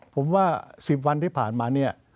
ผมว่า๑๐วันที่ผ่านมา